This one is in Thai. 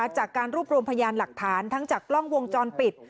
จากการรวบรวมพยานหลักฐานทั้งจากกล้องวงจรปิด